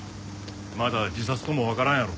まだ自殺ともわからんやろ。